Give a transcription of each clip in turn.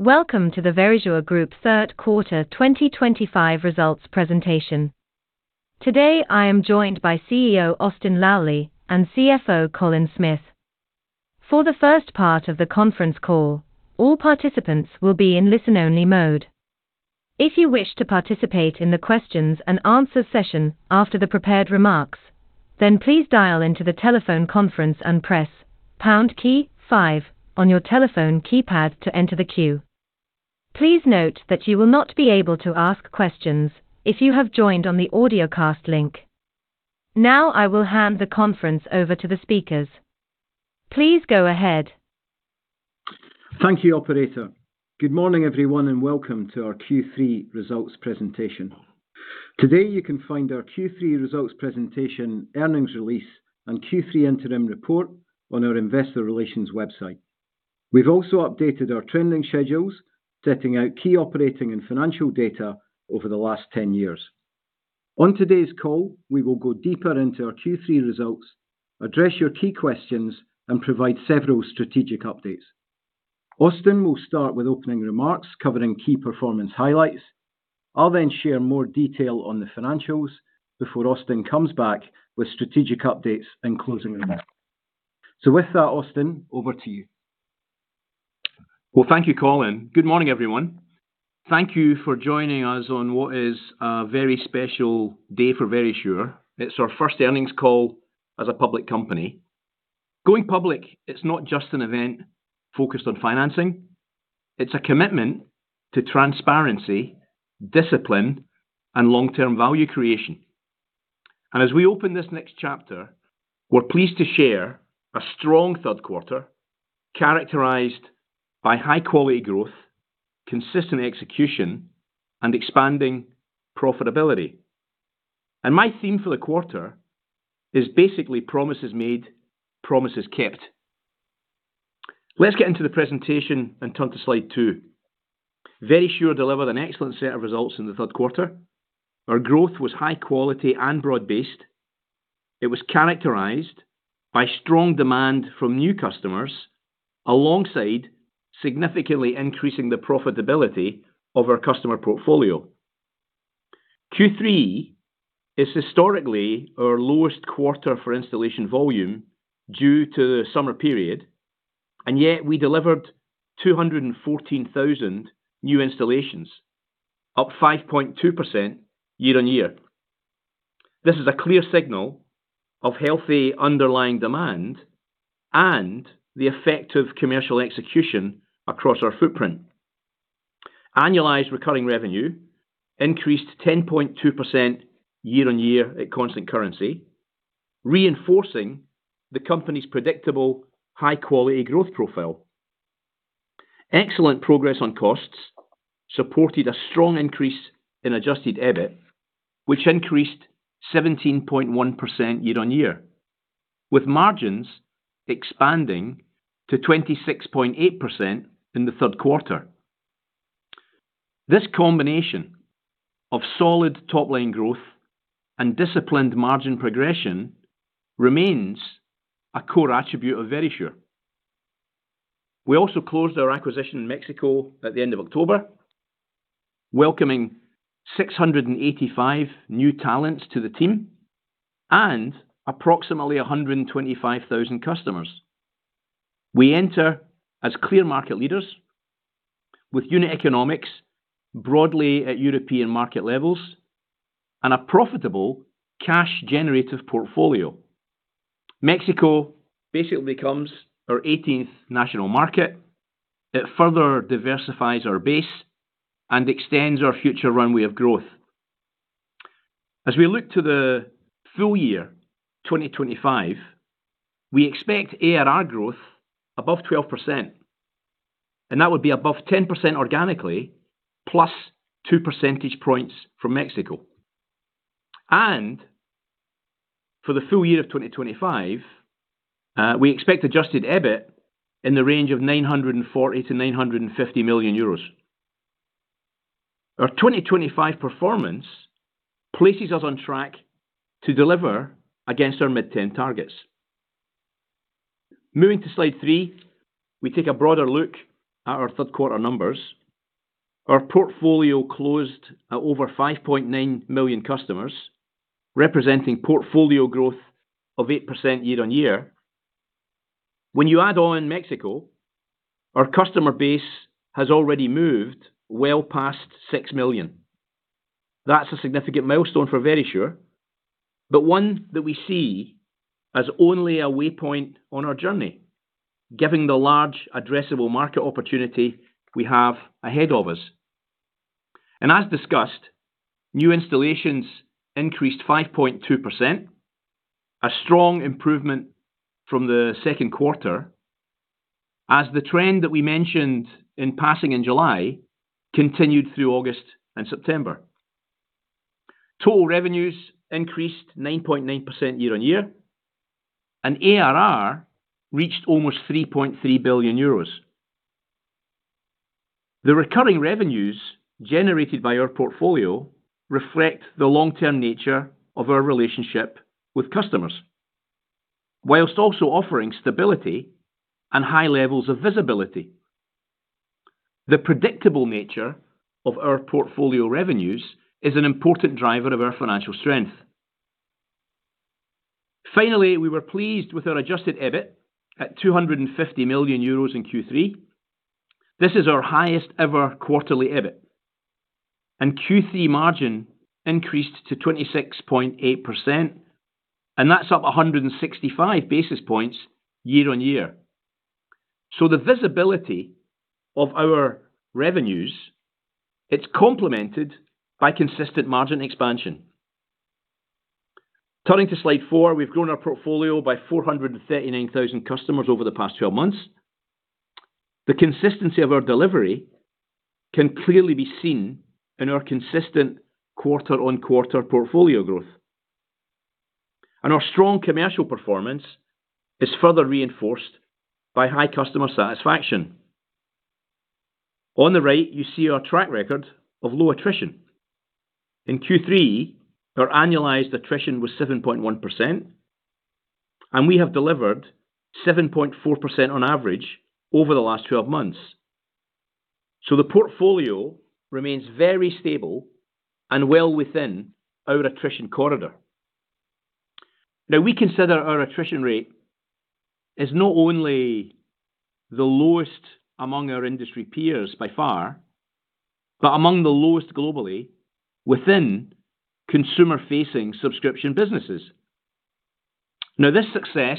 Welcome to the Verisure Group Q3 2025 results presentation. Today I am joined by CEO Austin Lowley and CFO Colin Smith. For the first part of the conference call, all participants will be in listen-only mode. If you wish to participate in the questions and answers session after the prepared remarks, then please dial into the telephone conference and press #5 on your telephone keypad to enter the queue. Please note that you will not be able to ask questions if you have joined on the audio cast link. Now I will hand the conference over to the speakers. Please go ahead. Thank you, Operator. Good morning, everyone, and welcome to our Q3 results presentation. Today you can find our Q3 results presentation, earnings release, and Q3 interim report on our Investor Relations website. We have also updated our trending schedules, setting out key operating and financial data over the last 10 years. On today's call, we will go deeper into our Q3 results, address your key questions, and provide several strategic updates. Austin will start with opening remarks covering key performance highlights. I will then share more detail on the financials before Austin comes back with strategic updates and closing remarks. With that, Austin, over to you. Thank you, Colin. Good morning, everyone. Thank you for joining us on what is a very special day for Verisure. It's our first earnings call as a public company. Going public is not just an event focused on financing. It's a commitment to transparency, discipline, and long-term value creation. As we open this next chapter, we're pleased to share a strong third quarter characterized by high-quality growth, consistent execution, and expanding profitability. My theme for the quarter is basically promises made, promises kept. Let's get into the presentation and turn to slide two. Verisure delivered an excellent set of results in the third quarter. Our growth was high-quality and broad-based. It was characterized by strong demand from new customers alongside significantly increasing the profitability of our customer portfolio. Q3 is historically our lowest quarter for installation volume due to the summer period, and yet we delivered 214,000 new installations, up 5.2% year-on-year. This is a clear signal of healthy underlying demand and the effect of commercial execution across our footprint. Annualized recurring revenue increased 10.2% year-on-year at constant currency, reinforcing the company's predictable high-quality growth profile. Excellent progress on costs supported a strong increase in adjusted EBIT, which increased 17.1% year-on-year, with margins expanding to 26.8% in the third quarter. This combination of solid top-line growth and disciplined margin progression remains a core attribute of Verisure. We also closed our acquisition in Mexico at the end of October, welcoming 685 new talents to the team and approximately 125,000 customers. We enter as clear market leaders with unit economics broadly at European market levels and a profitable cash-generative portfolio. Mexico basically becomes our 18th national market. It further diversifies our base and extends our future runway of growth. As we look to the full year 2025, we expect ARR growth above 12%, and that would be above 10% organically, plus two percentage points from Mexico. For the full year of 2025, we expect adjusted EBIT in the range of 940 million-950 million euros. Our 2025 performance places us on track to deliver against our mid-term targets. Moving to slide three, we take a broader look at our third quarter numbers. Our portfolio closed at over 5.9 million customers, representing portfolio growth of 8% year-on-year. When you add on Mexico, our customer base has already moved well past 6 million. That's a significant milestone for Verisure, but one that we see as only a waypoint on our journey, given the large addressable market opportunity we have ahead of us. As discussed, new installations increased 5.2%, a strong improvement from the second quarter, as the trend that we mentioned in passing in July continued through August and September. Total revenues increased 9.9% year-on-year, and ARR reached almost 3.3 billion euros. The recurring revenues generated by our portfolio reflect the long-term nature of our relationship with customers, whilst also offering stability and high levels of visibility. The predictable nature of our portfolio revenues is an important driver of our financial strength. Finally, we were pleased with our adjusted EBIT at 250 million euros in Q3. This is our highest ever quarterly EBIT, and Q3 margin increased to 26.8%, and that's up 165 basis points year-on-year. The visibility of our revenues, it's complemented by consistent margin expansion. Turning to slide four, we've grown our portfolio by 439,000 customers over the past 12 months. The consistency of our delivery can clearly be seen in our consistent quarter-on-quarter portfolio growth. Our strong commercial performance is further reinforced by high customer satisfaction. On the right, you see our track record of low attrition. In Q3, our annualized attrition was 7.1%, and we have delivered 7.4% on average over the last 12 months. The portfolio remains very stable and well within our attrition corridor. We consider our attrition rate is not only the lowest among our industry peers by far, but among the lowest globally within consumer-facing subscription businesses. This success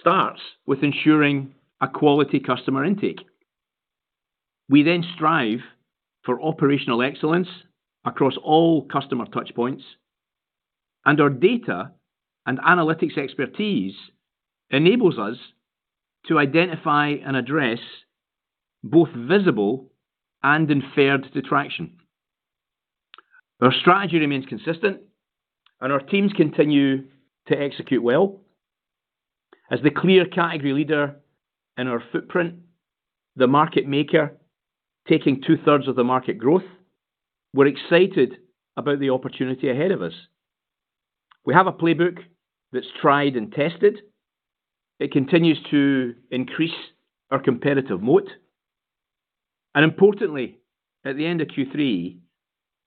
starts with ensuring a quality customer intake. We then strive for operational excellence across all customer touchpoints, and our data and analytics expertise enables us to identify and address both visible and unfair detraction. Our strategy remains consistent, and our teams continue to execute well. As the clear category leader in our footprint, the market maker taking two-thirds of the market growth, we are excited about the opportunity ahead of us. We have a playbook that is tried and tested. It continues to increase our competitive moat. Importantly, at the end of Q3,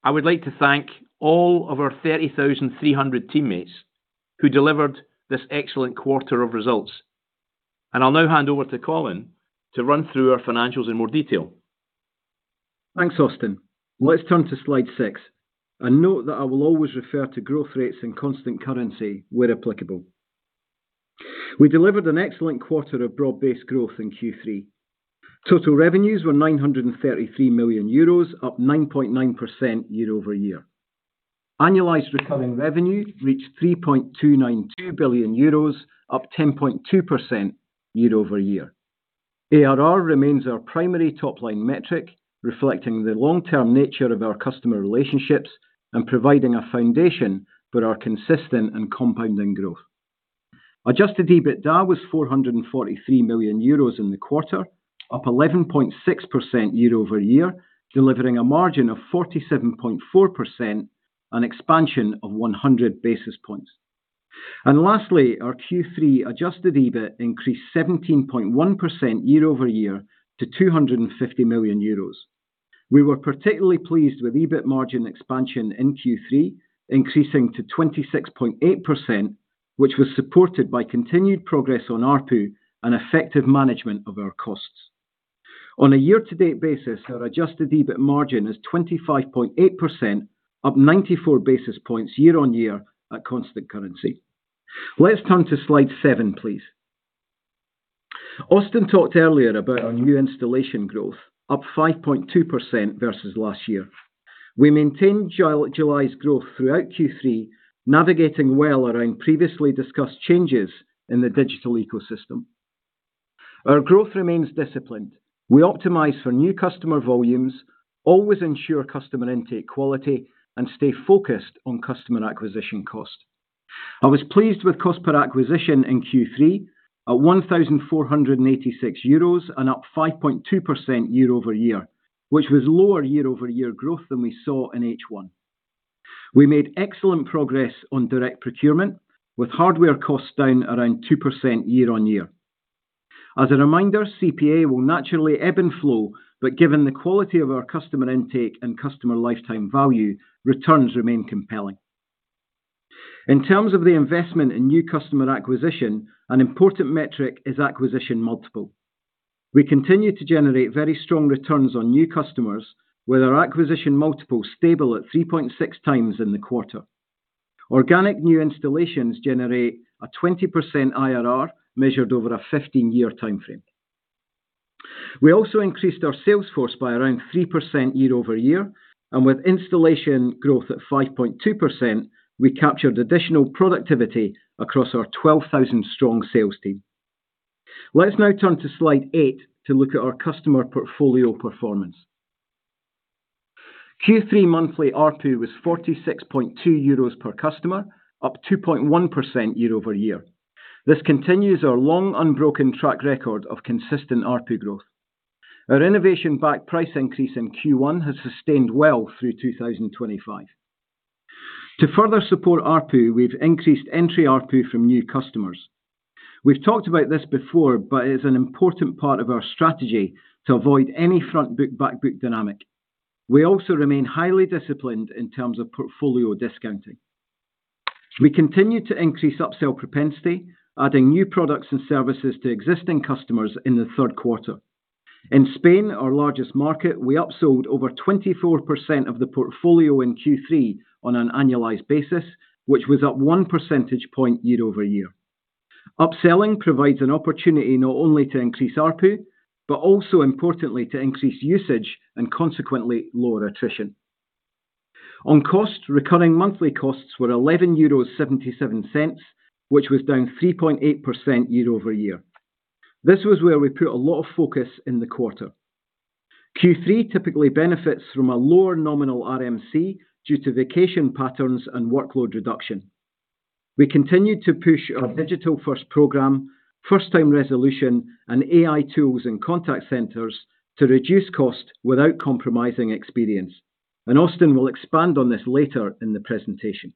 I would like to thank all of our 30,300 teammates who delivered this excellent quarter of results. I will now hand over to Colin to run through our financials in more detail. Thanks, Austin. Let's turn to slide six. A note that I will always refer to growth rates in constant currency where applicable. We delivered an excellent quarter of broad-based growth in Q3. Total revenues were 933 million euros, up 9.9% year-over-year. Annualized recurring revenue reached 3.292 billion euros, up 10.2% year-over-year. ARR remains our primary top-line metric, reflecting the long-term nature of our customer relationships and providing a foundation for our consistent and compounding growth. Adjusted EBITDA was 443 million euros in the quarter, up 11.6% year-over-year, delivering a margin of 47.4% and expansion of 100 basis points. Lastly, our Q3 adjusted EBIT increased 17.1% year-over-year to 250 million euros. We were particularly pleased with EBIT margin expansion in Q3, increasing to 26.8%, which was supported by continued progress on ARPU and effective management of our costs. On a year-to-date basis, our adjusted EBIT margin is 25.8%, up 94 basis points year-on-year at constant currency. Let's turn to slide seven, please. Austin talked earlier about our new installation growth, up 5.2% versus last year. We maintained July's growth throughout Q3, navigating well around previously discussed changes in the digital ecosystem. Our growth remains disciplined. We optimize for new customer volumes, always ensure customer intake quality, and stay focused on customer acquisition cost. I was pleased with cost per acquisition in Q3 at 1,486 euros and up 5.2% year-over-year, which was lower year-over-year growth than we saw in H1. We made excellent progress on direct procurement, with hardware costs down around 2% year-on-year. As a reminder, CPA will naturally ebb and flow, but given the quality of our customer intake and customer lifetime value, returns remain compelling. In terms of the investment in new customer acquisition, an important metric is acquisition multiple. We continue to generate very strong returns on new customers, with our acquisition multiple stable at 3.6 times in the quarter. Organic new installations gene-rate a 20% IRR measured over a 15-year time frame. We also increased our sales force by around 3% year-over-year, and with installation growth at 5.2%, we captured additional productivity across our 12,000-strong sales team. Let's now turn to slide eight to look at our customer portfolio performance. Q3 monthly ARPU was 46.2 euros per customer, up 2.1% year-over-year. This continues our long unbroken track record of consistent ARPU growth. Our innovation-backed price increase in Q1 has sustained well through 2025. To further support ARPU, we've increased entry ARPU from new customers. We've talked about this before, but it is an important part of our strategy to avoid any front-book-back-book dynamic. We also remain highly disciplined in terms of portfolio discounting. We continue to increase upsell propensity, adding new products and services to existing customers in the third quarter. In Spain, our largest market, we upsold over 24% of the portfolio in Q3 on an annualized basis, which was up 1 percentage point year-over-year. Upselling provides an opportunity not only to increase ARPU, but also, importantly, to increase usage and consequently lower attrition. On cost, recurring monthly costs were 11.77 euros, which was down 3.8% year-over-year. This was where we put a lot of focus in the quarter. Q3 typically benefits from a lower nominal RMC due to vacation patterns and workload reduction. We continue to push our digital-first program, first-time resolution, and AI tools in contact centers to reduce cost without compromising experience. Austin will expand on this later in the presentation.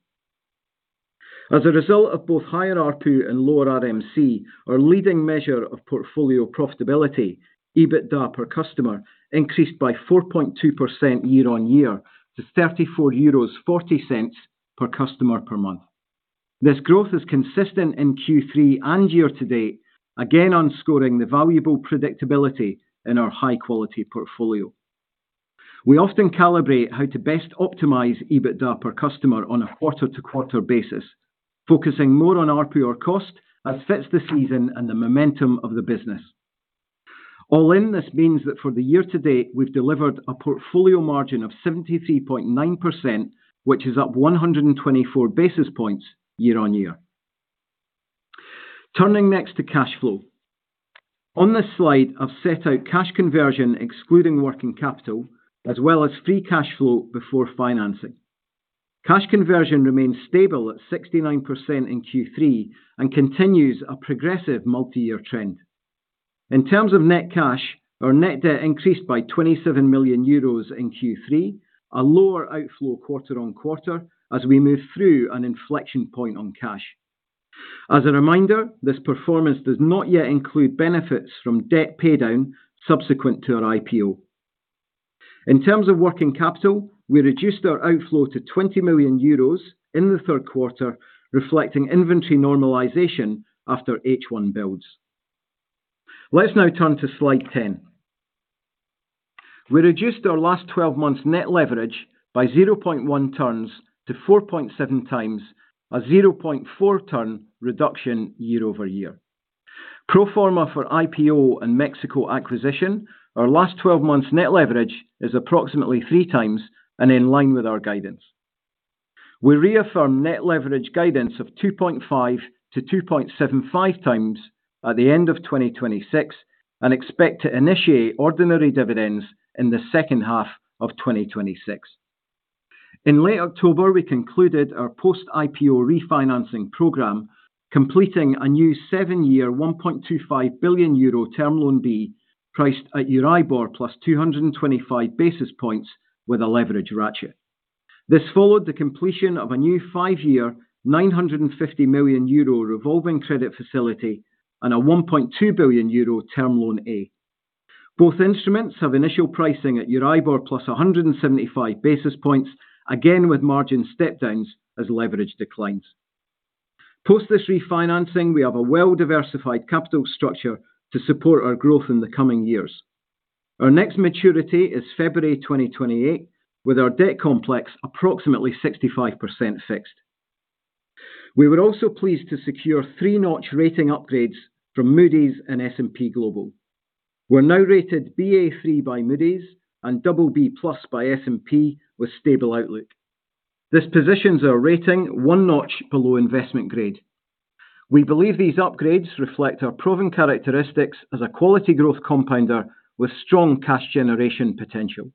As a result of both higher ARPU and lower RMC, our leading measure of portfolio profitability, EBITDA per customer, increased by 4.2% year-on-year to 34.40 euros per customer per month. This growth is consistent in Q3 and year to date, again underscoring the valuable predictability in our high-quality portfolio. We often calibrate how to best optimize EBITDA per customer on a quarter-to-quarter basis, focusing more on ARPU or cost as fits the season and the momentum of the business. All in, this means that for the year to date, we have delivered a portfolio margin of 73.9%, which is up 124 basis points year-on-year. Turning next to cash flow. On this slide, I've set out cash conversion excluding working capital, as well as free cash flow before financing. Cash conversion remains stable at 69% in Q3 and continues a progressive multi-year trend. In terms of net cash, our net debt increased by 27 million euros in Q3, a lower outflow quarter on quarter as we move through an inflection point on cash. As a reminder, this performance does not yet include benefits from debt paydown subsequent to our IPO. In terms of working capital, we reduced our outflow to 20 million euros in the third quarter, reflecting inventory normalization after H1 builds. Let's now turn to slide ten. We reduced our last 12 months' net leverage by 0.1 turns to 4.7 times, a 0.4-turn reduction year-over-year. Pro forma for IPO and Mexico acquisition, our last 12 months' net leverage is approximately three times and in line with our guidance. We reaffirm net leverage guidance of 2.5-2.75 times at the end of 2026 and expect to initiate ordinary dividends in the second half of 2026. In late October, we concluded our post-IPO refinancing program, completing a new seven-year 1.25 billion euro term loan B priced at Euribor plus 225 basis points with a leverage ratio. This followed the completion of a new five-year 950 million euro revolving credit facility and a 1.2 billion euro term loan A. Both instruments have initial pricing at Euribor plus 175 basis points, again with margin step-downs as leverage declines. Post this refinancing, we have a well-diversified capital structure to support our growth in the coming years. Our next maturity is February 2028, with our debt complex approximately 65% fixed. We were also pleased to secure three-notch rating upgrades from Moody's and S&P Global. We're now rated Ba3 by Moody's and BB+ by S&P with stable outlook. This positions our rating one notch below investment grade. We believe these upgrades reflect our proven characteristics as a quality growth compounder with strong cash generation potential.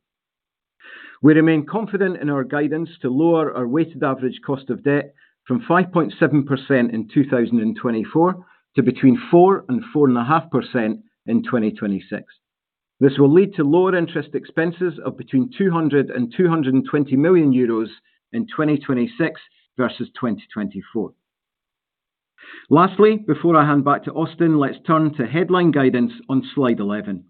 We remain confident in our guidance to lower our weighted average cost of debt from 5.7% in 2024 to between 4-4.5% in 2026. This will lead to lower interest expenses of between 200 million-220 million euros in 2026 versus 2024. Lastly, before I hand back to Austin, let's turn to headline guidance on slide 11.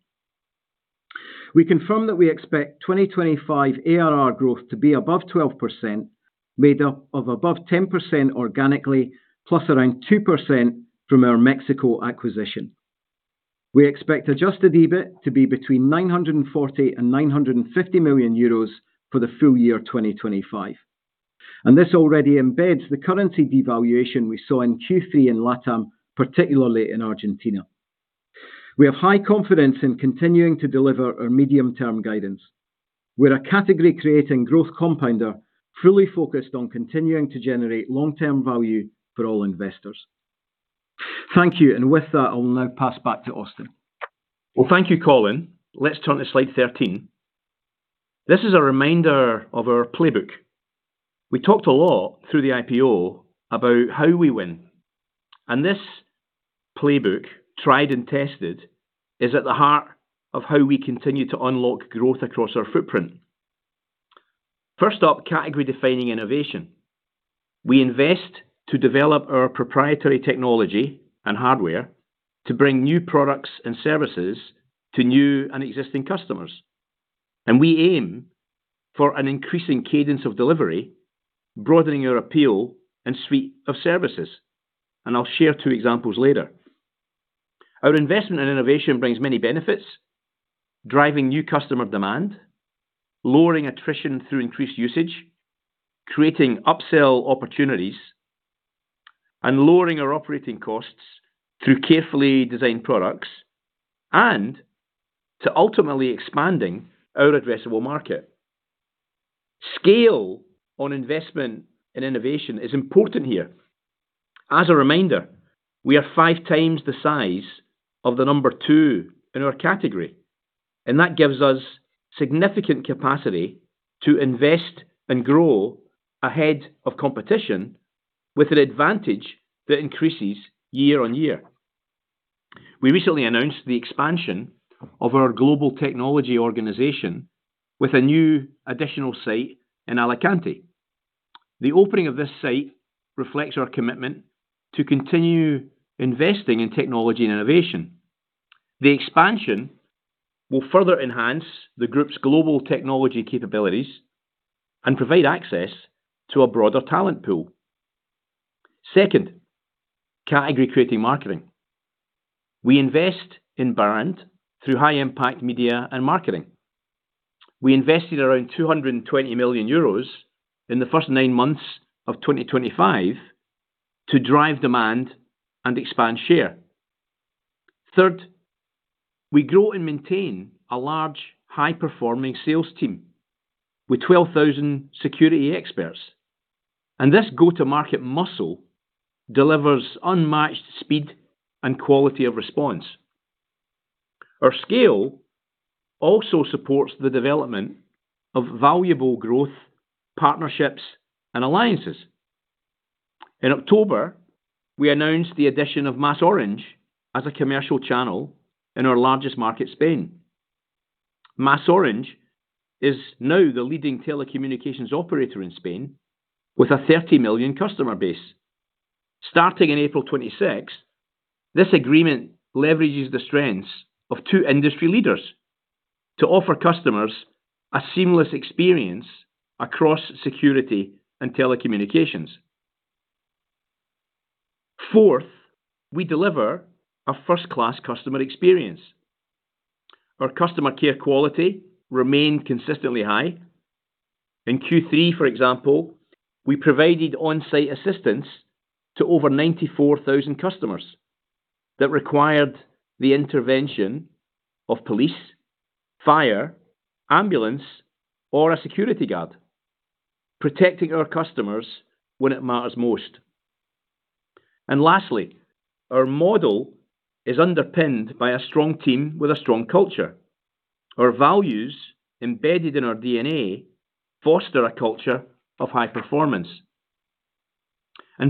We confirm that we expect 2025 ARR growth to be above 12%, made up of above 10% organically, plus around 2% from our Mexico acquisition. We expect adjusted EBIT to be between 940 million and 950 million euros for the full year 2025. This already embeds the currency devaluation we saw in Q3 in LATAM, particularly in Argentina. We have high confidence in continuing to deliver our medium-term guidance. We are a category-creating growth compounder truly focused on continuing to generate long-term value for all investors. Thank you. I will now pass back to Austin. Thank you, Colin. Let's turn to slide 13. This is a reminder of our playbook. We talked a lot through the IPO about how we win. This playbook, tried and tested, is at the heart of how we continue to unlock growth across our footprint. First up, category-defining innovation. We invest to develop our proprietary technology and hardware to bring new products and services to new and existing customers. We aim for an increasing cadence of delivery, broadening our appeal and suite of services. I'll share two examples later. Our investment in innovation brings many benefits, driving new customer demand, lowering attrition through increased usage, creating upsell opportunities, and lowering our operating costs through carefully designed products, and ultimately expanding our addressable market. Scale on investment in innovation is important here. As a reminder, we are five times the size of the number two in our category. That gives us significant capacity to invest and grow ahead of competition with an advantage that increases year-on-year. We recently announced the expansion of our global technology organization with a new additional site in Alicante. The opening of this site reflects our commitment to continue investing in technology and innovation. The expansion will further enhance the group's global technology capabilities and provide access to a broader talent pool. Second, category-creating marketing. We invest in brand through high-impact media and marketing. We invested around 220 million euros in the first nine months of 2025 to drive demand and expand share. Third, we grow and maintain a large, high-performing sales team with 12,000 security experts. This go-to-market muscle delivers unmatched speed and quality of response. Our scale also supports the development of valuable growth partnerships and alliances. In October, we announced the addition of MasOrange as a commercial channel in our largest market, Spain. MasOrange is now the leading telecommunications operator in Spain with a 30 million customer base. Starting in April 2026, this agreement leverages the strengths of two industry leaders to offer customers a seamless experience across security and telecommunications. Fourth, we deliver a first-class customer experience. Our customer care quality remained consistently high. In Q3, for example, we provided on-site assistance to over 94,000 customers that required the intervention of police, fire, ambulance, or a security guard, protecting our customers when it matters most. Our model is underpinned by a strong team with a strong culture. Our values embedded in our DNA foster a culture of high performance.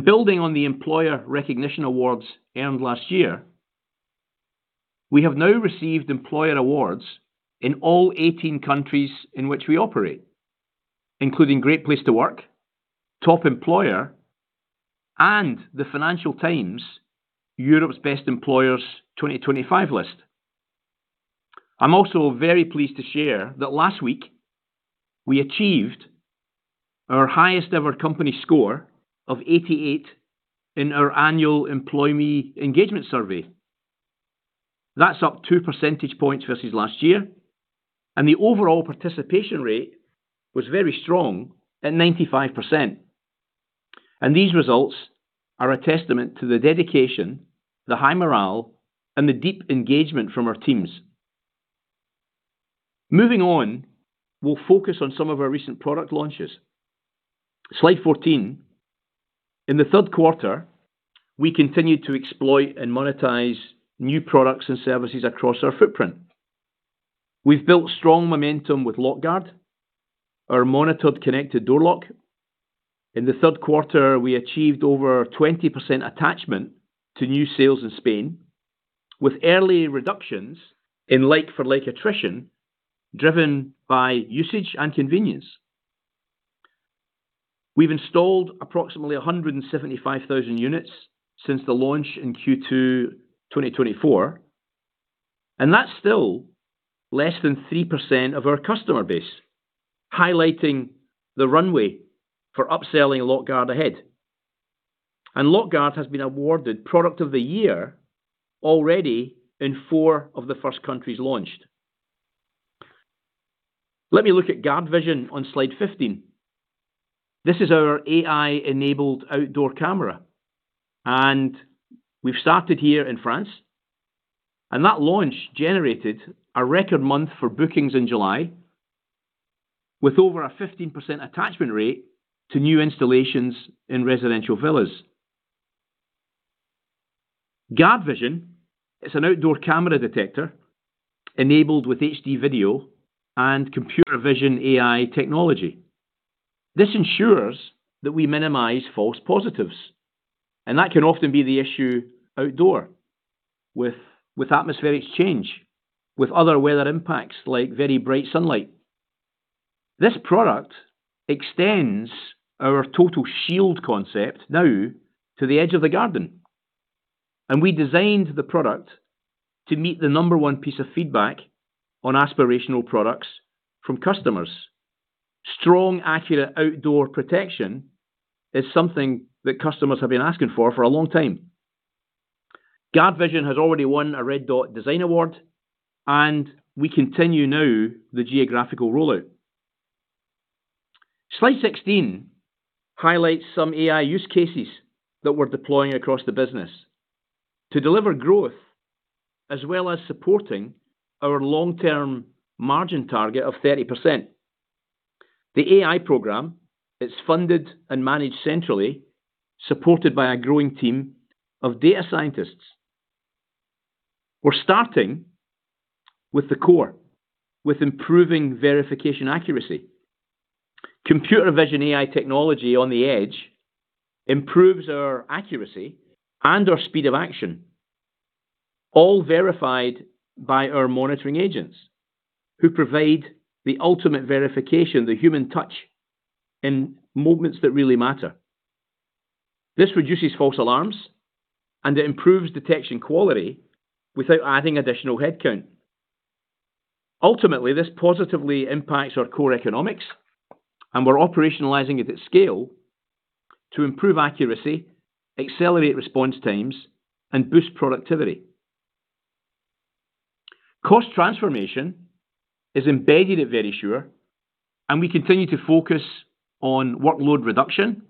Building on the Employer Recognition Awards earned last year, we have now received employer awards in all 18 countries in which we operate, including Great Place to Work, Top Employer, and the Financial Times' Europe's Best Employers 2025 list. I'm also very pleased to share that last week we achieved our highest-ever company score of 88 in our annual employee engagement survey. That's up two percentage points versus last year. The overall participation rate was very strong at 95%. These results are a testament to the dedication, the high morale, and the deep engagement from our teams. Moving on, we'll focus on some of our recent product launches. Slide 14. In the third quarter, we continued to exploit and monetize new products and services across our footprint. We've built strong momentum with Lockguard, our monitored connected door lock. In the third quarter, we achieved over 20% attachment to new sales in Spain, with early reductions in like-for-like attrition driven by usage and convenience. We've installed approximately 175,000 units since the launch in Q2 2024. That is still less than 3% of our customer base, highlighting the runway for upselling Lockguard ahead. Lockguard has been awarded Product of the Year already in four of the first countries launched. Let me look at GuardVision on slide 15. This is our AI-enabled outdoor camera. We've started here in France. That launch generated a record month for bookings in July, with over a 15% attachment rate to new installations in residential villas. GuardVision, it's an outdoor camera detector enabled with HD video and computer vision AI technology. This ensures that we minimize false positives. That can often be the issue outdoor with atmospheric change, with other weather impacts like very bright sunlight. This product extends our total shield concept now to the edge of the garden. We designed the product to meet the number one piece of feedback on aspirational products from customers. Strong, accurate outdoor protection is something that customers have been asking for for a long time. GuardVision has already won a Red Dot Design Award, and we continue now the geographical rollout. Slide 16 highlights some AI use cases that we're deploying across the business to deliver growth as well as supporting our long-term margin target of 30%. The AI program, it's funded and managed centrally, supported by a growing team of data scientists. We're starting with the core, with improving verification accuracy. Computer vision AI technology on the edge improves our accuracy and our speed of action, all verified by our monitoring agents who provide the ultimate verification, the human touch in moments that really matter. This reduces false alarms, and it improves detection quality without adding additional headcount. Ultimately, this positively impacts our core economics, and we're operationalizing it at scale to improve accuracy, accelerate response times, and boost productivity. Cost transformation is embedded at Verisure, and we continue to focus on workload reduction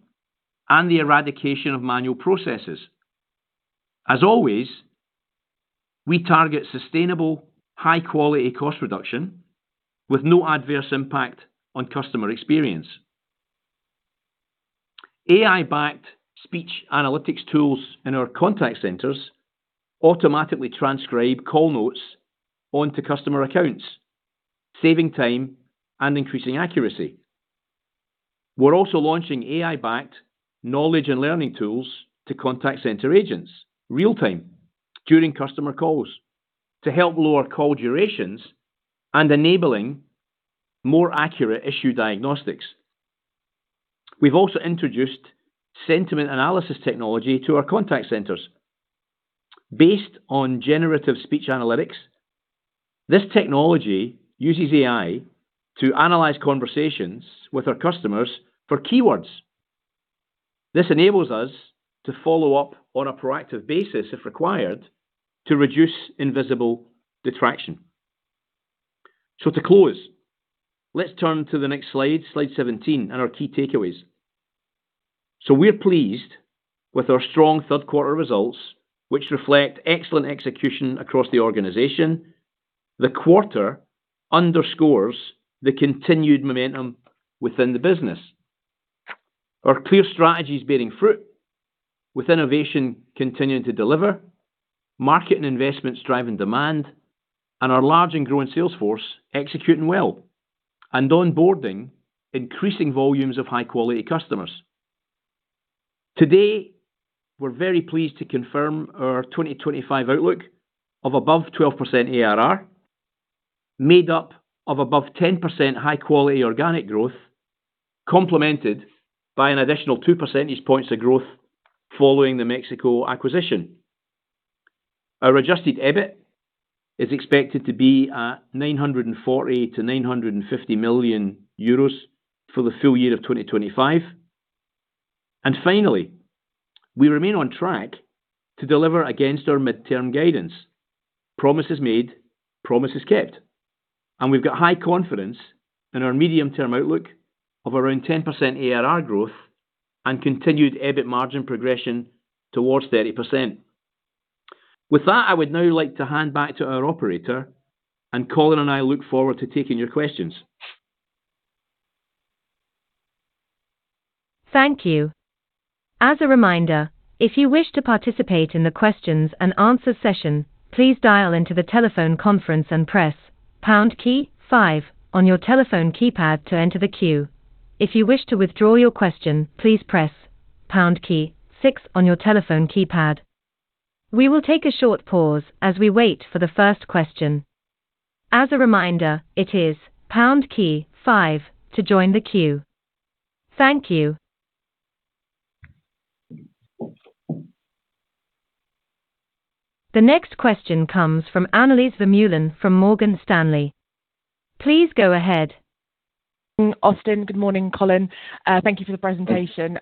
and the eradication of manual processes. As always, we target sustainable, high-quality cost reduction with no adverse impact on customer experience. AI-backed speech analytics tools in our contact centers automatically transcribe call notes onto customer accounts, saving time and increasing accuracy. We're also launching AI-backed knowledge and learning tools to contact center agents real-time during customer calls to help lower call durations and enabling more accurate issue diagnostics. We've also introduced sentiment analysis technology to our contact centers. Based on generative speech analytics, this technology uses AI to analyze conversations with our customers for keywords. This enables us to follow up on a proactive basis, if required, to reduce invisible detraction. To close, let's turn to the next slide, slide 17, and our key takeaways. We're pleased with our strong third-quarter results, which reflect excellent execution across the organization. The quarter underscores the continued momentum within the business. Our clear strategy is bearing fruit, with innovation continuing to deliver, market and investments driving demand, and our large and growing sales force executing well and onboarding increasing volumes of high-quality customers. Today, we're very pleased to confirm our 2025 outlook of above 12% ARR, made up of above 10% high-quality organic growth, complemented by an additional 2 percentage points of growth following the Mexico acquisition. Our adjusted EBIT is expected to be at 940 million-950 million euros for the full year of 2025. Finally, we remain on track to deliver against our midterm guidance. Promises made, promises kept. We have high confidence in our medium-term outlook of around 10% ARR growth and continued EBIT margin progression towards 30%. With that, I would now like to hand back to our operator, and Colin and I look forward to taking your questions. Thank you. As a reminder, if you wish to participate in the questions and answers session, please dial into the telephone conference and press #5 on your telephone keypad to enter the queue. If you wish to withdraw your question, please press #6 on your telephone keypad. We will take a short pause as we wait for the first question. As a reminder, it is #5 to join the queue. Thank you. The next question comes from Annelies Vermeulen from Morgan Stanley. Please go ahead. Austin, good morning, Colin. Thank you for the presentation.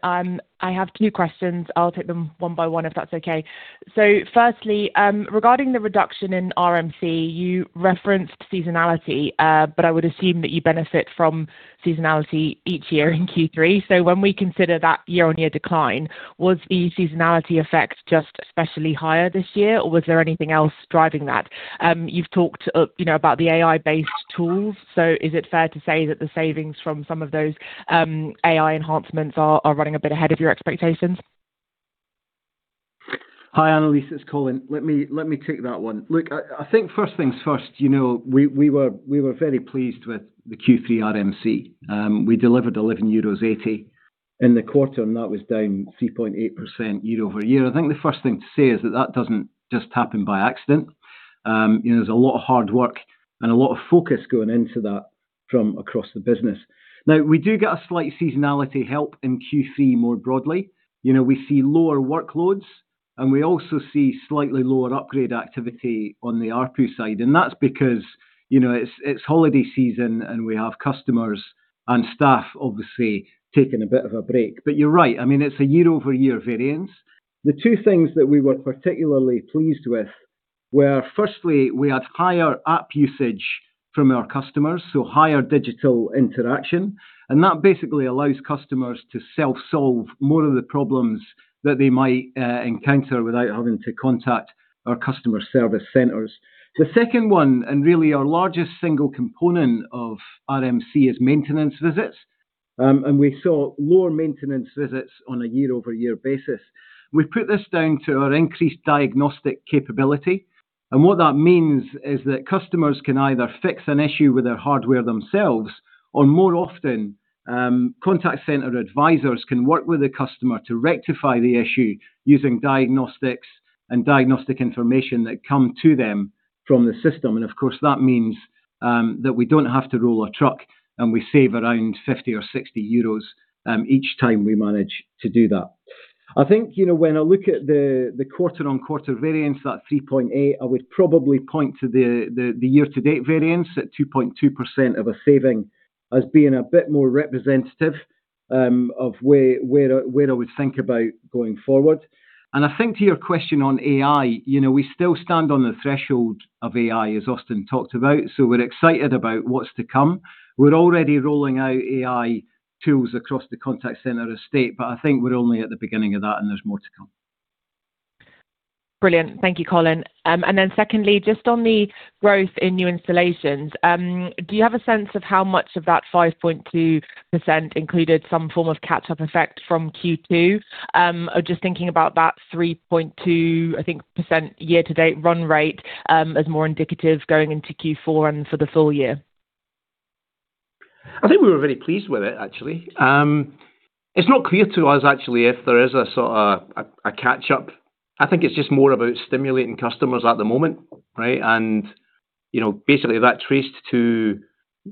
I have two questions. I'll take them one by one if that's okay. Firstly, regarding the reduction in RMC, you referenced seasonality, but I would assume that you benefit from seasonality each year in Q3. When we consider that year-on-year decline, was the seasonality effect just especially higher this year, or was there anything else driving that? You've talked about the AI-based tools, so is it fair to say that the savings from some of those AI enhancements are running a bit ahead of your expectations? Hi, Annelies, it's Colin. Let me take that one. Look, I think first things first, we were very pleased with the Q3 RMC. We delivered 11.80 euros in the quarter, and that was down 3.8% year-over-year. I think the first thing to say is that that doesn't just happen by accident. There's a lot of hard work and a lot of focus going into that from across the business. Now, we do get a slight seasonality help in Q3 more broadly. We see lower workloads, and we also see slightly lower upgrade activity on the ARPU side. That is because it's holiday season, and we have customers and staff, obviously, taking a bit of a break. You're right, I mean, it's a year-over-year variance. The two things that we were particularly pleased with were, firstly, we had higher app usage from our customers, so higher digital interaction. That basically allows customers to self-solve more of the problems that they might encounter without having to contact our customer service centers. The second one, and really our largest single component of RMC, is maintenance visits. We saw lower maintenance visits on a year-over-year basis. We put this down to our increased diagnostic capability. What that means is that customers can either fix an issue with their hardware themselves, or more often, contact center advisors can work with the customer to rectify the issue using diagnostics and diagnostic information that come to them from the system. Of course, that means that we do not have to roll a truck, and we save around 50-60 euros each time we manage to do that. I think when I look at the quarter-on-quarter variance, that 3.8, I would probably point to the year-to-date variance at 2.2% of a saving as being a bit more representative of where I would think about going forward. I think to your question on AI, we still stand on the threshold of AI, as Austin talked about. We are excited about what's to come. We are already rolling out AI tools across the contact center estate, but I think we are only at the beginning of that, and there's more to come. Brilliant. Thank you, Colin. Secondly, just on the growth in new installations, do you have a sense of how much of that 5.2% included some form of catch-up effect from Q2? I am just thinking about that 3.2%, I think, year-to-date run rate as more indicative going into Q4 and for the full year? I think we were very pleased with it, actually. It's not clear to us, actually, if there is a sort of a catch-up. I think it's just more about stimulating customers at the moment, right? Basically, that traced to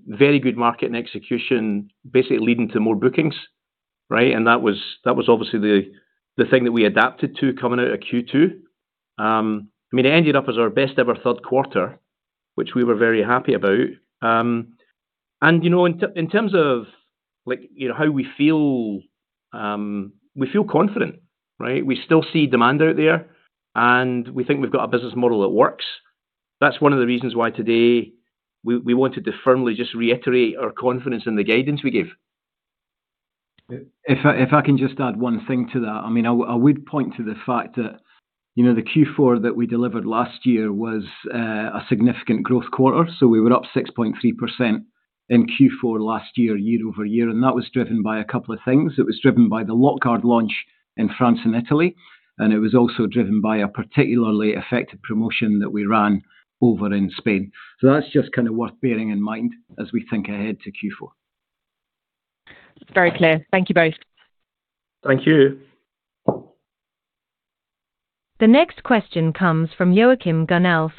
very good market and execution, basically leading to more bookings, right? That was obviously the thing that we adapted to coming out of Q2. I mean, it ended up as our best-ever third quarter, which we were very happy about. In terms of how we feel, we feel confident, right? We still see demand out there, and we think we've got a business model that works. That's one of the reasons why today we wanted to firmly just reiterate our confidence in the guidance we gave. If I can just add one thing to that, I mean, I would point to the fact that the Q4 that we delivered last year was a significant growth quarter. We were up 6.3% in Q4 last year, year-over-year. That was driven by a couple of things. It was driven by the Lockguard launch in France and Italy. It was also driven by a particularly effective promotion that we ran over in Spain. That is just kind of worth bearing in mind as we think ahead to Q4. Very clear. Thank you both. Thank you. The next question comes from Joachim Gunell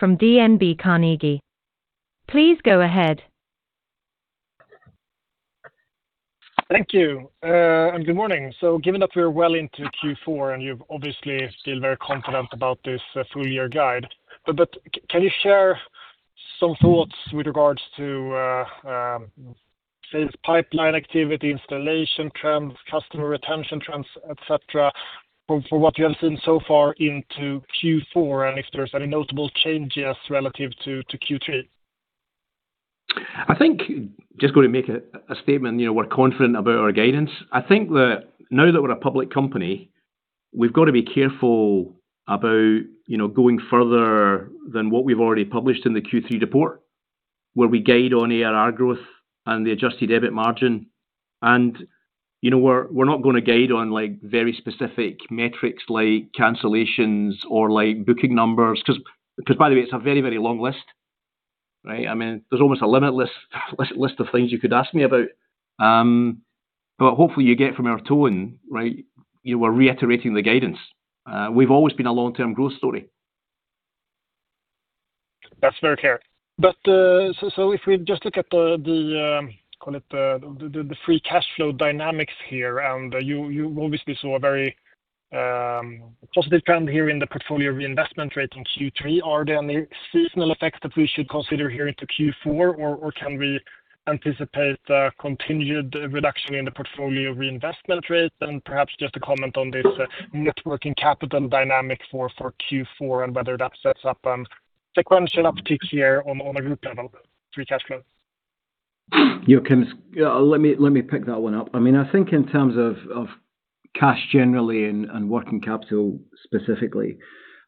Thank you. Good morning. Given that we're well into Q4, and you obviously feel very confident about this full-year guide, can you share some thoughts with regards to sales pipeline activity, installation trends, customer retention trends, etc., for what you have seen so far into Q4, and if there's any notable changes relative to Q3? I think just going to make a statement, we're confident about our guidance. I think that now that we're a public company, we've got to be careful about going further than what we've already published in the Q3 report, where we guide on ARR growth and the adjusted EBIT margin. We're not going to guide on very specific metrics like cancellations or booking numbers, because by the way, it's a very, very long list, right? I mean, there's almost a limitless list of things you could ask me about. Hopefully, you get from our tone, right? We're reiterating the guidance. We've always been a long-term growth story. That's very clear. If we just look at the free cash flow dynamics here, and you obviously saw a very positive trend here in the portfolio reinvestment rate in Q3, are there any seasonal effects that we should consider here into Q4, or can we anticipate a continued reduction in the portfolio reinvestment rate? Perhaps just a comment on this networking capital dynamic for Q4 and whether that sets up a sequential uptick here on a group level, free cash flow. Joachim, let me pick that one up. I mean, I think in terms of cash generally and working capital specifically,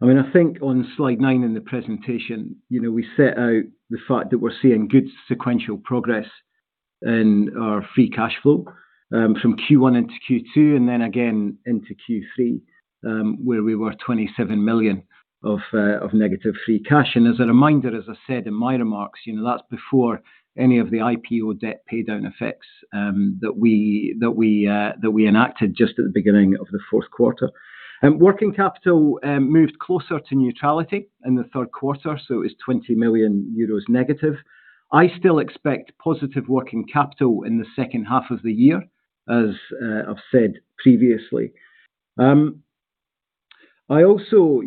I mean, I think on slide nine in the presentation, we set out the fact that we're seeing good sequential progress in our free cash flow from Q1 into Q2, and then again into Q3, where we were 27 million of negative free cash. As a reminder, as I said in my remarks, that's before any of the IPO debt paydown effects that we enacted just at the beginning of the fourth quarter. Working capital moved closer to neutrality in the third quarter, so it was 20 million euros negative. I still expect positive working capital in the second half of the year, as I've said previously. I also,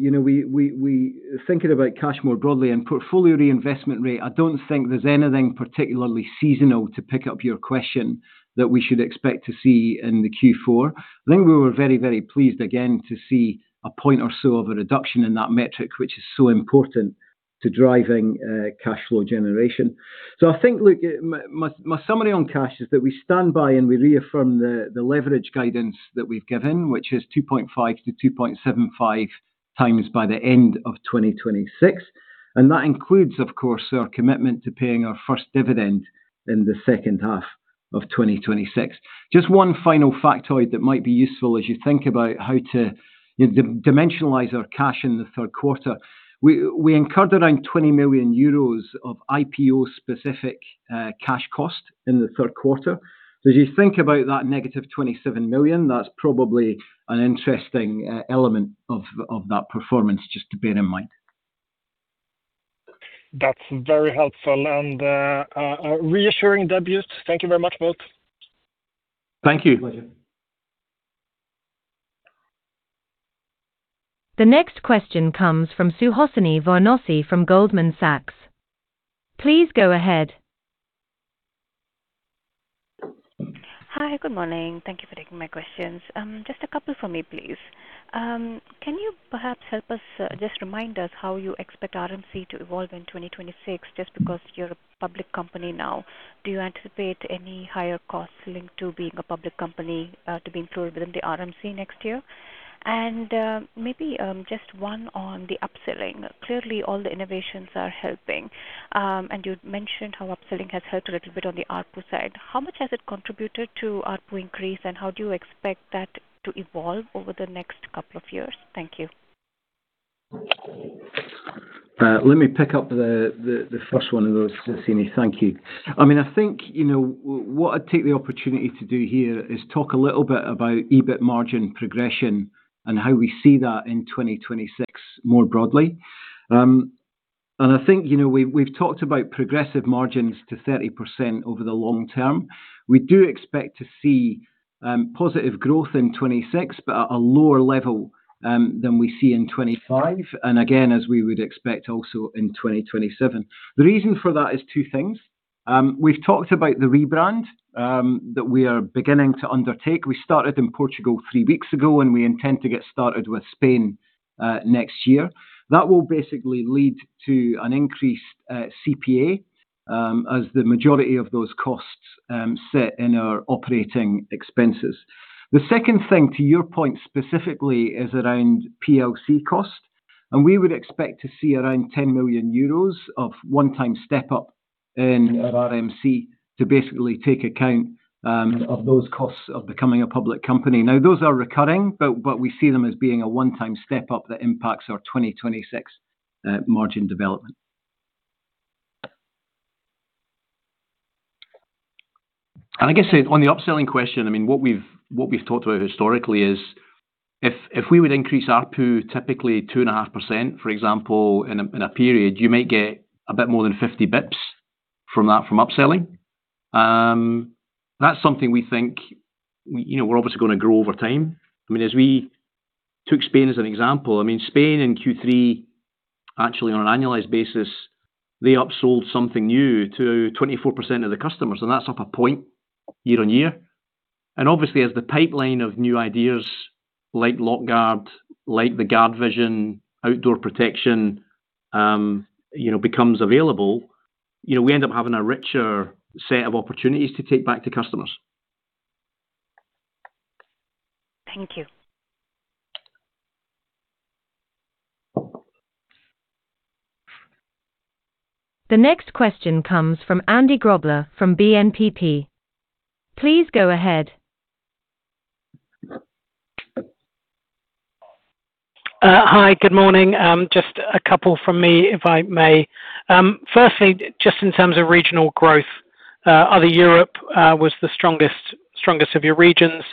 thinking about cash more broadly and portfolio reinvestment rate, I don't think there's anything particularly seasonal, to pick up your question, that we should expect to see in the Q4. I think we were very, very pleased again to see a point or so of a reduction in that metric, which is so important to driving cash flow generation. I think, look, my summary on cash is that we stand by and we reaffirm the leverage guidance that we've given, which is 2.5-2.75 times by the end of 2026. That includes, of course, our commitment to paying our first dividend in the second half of 2026. Just one final factoid that might be useful as you think about how to dimensionalize our cash in the third quarter. We incurred around 20 million euros of IPO-specific cash cost in the third quarter. As you think about that negative 27 million, that's probably an interesting element of that performance, just to bear in mind. That's very helpful and reassuring, Debute. Thank you very much, both. Thank you. The next question comes from Suhasini Varanasi from Goldman Sachs. Please go ahead. Hi, good morning. Thank you for taking my questions. Just a couple for me, please. Can you perhaps help us, just remind us how you expect RMC to evolve in 2026, just because you're a public company now? Do you anticipate any higher costs linked to being a public company to be included within the RMC next year? Maybe just one on the upselling. Clearly, all the innovations are helping. You mentioned how upselling has helped a little bit on the RPU side. How much has it contributed to RPU increase, and how do you expect that to evolve over the next couple of years? Thank you. Let me pick up the first one of those, Suhasini. Thank you. I mean, I think what I'd take the opportunity to do here is talk a little bit about EBIT margin progression and how we see that in 2026 more broadly. I think we've talked about progressive margins to 30% over the long term. We do expect to see positive growth in 2026, but at a lower level than we see in 2025, and again, as we would expect also in 2027. The reason for that is two things. We've talked about the rebrand that we are beginning to undertake. We started in Portugal three weeks ago, and we intend to get started with Spain next year. That will basically lead to an increased CPA as the majority of those costs sit in our operating expenses. The second thing, to your point specifically, is around PLC cost. We would expect to see around 10 million euros of one-time step-up in RMC to basically take account of those costs of becoming a public company. Now, those are recurring, but we see them as being a one-time step-up that impacts our 2026 margin development. I guess on the upselling question, what we've talked about historically is if we would increase ARPU typically 2.5%, for example, in a period, you might get a bit more than 50 basis points from that from upselling. That's something we think we're obviously going to grow over time. I mean, as we took Spain as an example, Spain in Q3, actually on an annualized basis, they upsold something new to 24% of the customers, and that's up a point year-on-year. Obviously, as the pipeline of new ideas like Lockguard, like the GuardVision, Outdoor Protection becomes available, we end up having a richer set of opportunities to take back to customers. Thank you. The next question comes from Andy Grobler from BNPP. Please go ahead. Hi, good morning. Just a couple from me, if I may. Firstly, just in terms of regional growth, other Europe was the strongest of your regions.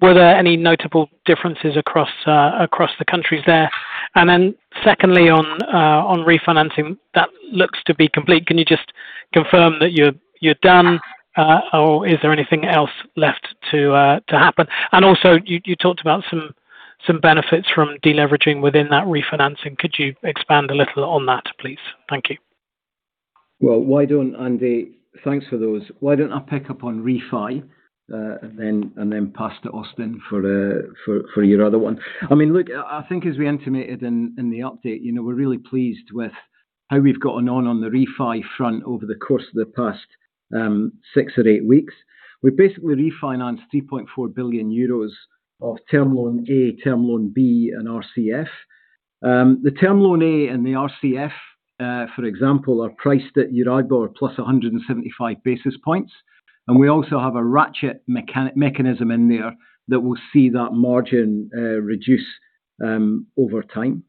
Were there any notable differences across the countries there? Secondly, on refinancing, that looks to be complete. Can you just confirm that you're done, or is there anything else left to happen? Also, you talked about some benefits from deleveraging within that refinancing. Could you expand a little on that, please? Thank you. Andy, thanks for those. Why don't I pick up on refi and then pass to Austin for your other one? I mean, look, I think as we intimated in the update, we're really pleased with how we've gotten on on the refi front over the course of the past six or eight weeks. We basically refinanced 3.4 billion euros of Term Loan A, Term Loan B, and RCF. The Term Loan A and the RCF, for example, are priced at Euribor plus 175 basis points. We also have a ratchet mechanism in there that will see that margin reduce over time.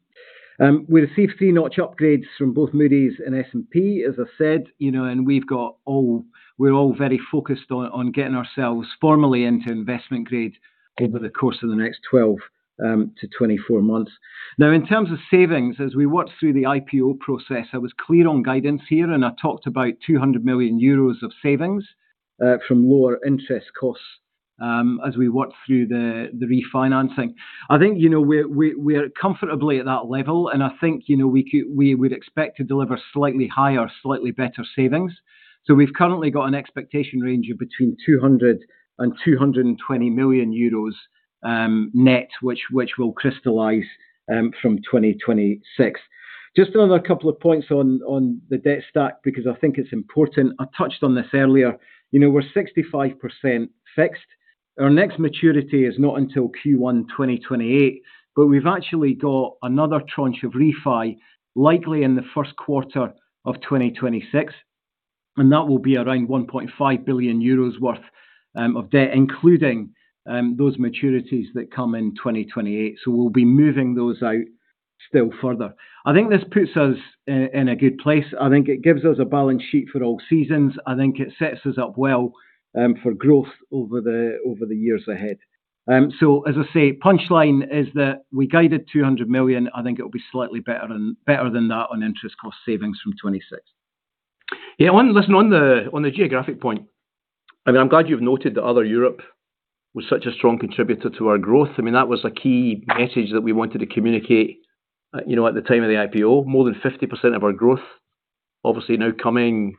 We received three notch upgrades from both Moody's and S&P Global, as I said, and we're all very focused on getting ourselves formally into investment grade over the course of the next 12 to 24 months. Now, in terms of savings, as we worked through the IPO process, I was clear on guidance here, and I talked about 200 million euros of savings from lower interest costs as we worked through the refinancing. I think we're comfortably at that level, and I think we would expect to deliver slightly higher, slightly better savings. We've currently got an expectation range of between 200 million euros and 220 million euros net, which will crystallize from 2026. Just another couple of points on the debt stack, because I think it's important. I touched on this earlier. We're 65% fixed. Our next maturity is not until Q1 2028, but we've actually got another tranche of refi likely in the first quarter of 2026. That will be around 1.5 billion euros worth of debt, including those maturities that come in 2028. We'll be moving those out still further. I think this puts us in a good place. I think it gives us a balance sheet for all seasons. I think it sets us up well for growth over the years ahead. As I say, punchline is that we guided 200 million. I think it will be slightly better than that on interest cost savings from 2026. Yeah, listen, on the geographic point, I mean, I'm glad you've noted that other Europe was such a strong contributor to our growth. I mean, that was a key message that we wanted to communicate at the time of the IPO. More than 50% of our growth, obviously, now coming